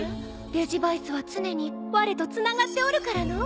デジヴァイスは常にわれとつながっておるからのう。